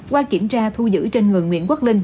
qua kiểm tra thu giữ trên người nguyễn quốc linh